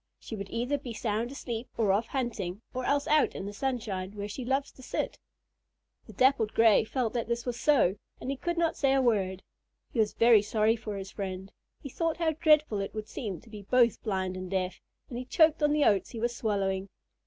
She would either be sound asleep, or off hunting, or else out in the sunshine, where she loves to sit." The Dappled Gray felt that this was so, and he could not say a word. He was very sorry for his friend. He thought how dreadful it would seem to be both blind and deaf, and he choked on the oats he was swallowing.